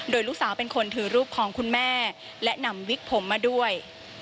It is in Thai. โดยลูกสาวเป็นคนถือรูปของคุณแม่และนำวิกผมมาด้วย